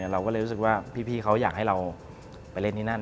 เราก็เลยรู้สึกว่าพี่เขาอยากให้เราไปเล่นที่นั่น